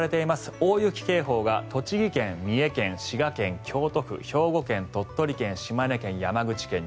大雪警報が栃木県、三重県、滋賀県京都府、兵庫県鳥取県、島根県、山口県に。